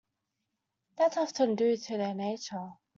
That's often due to their nature.